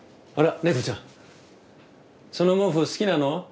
猫ちゃんその毛布好きなの？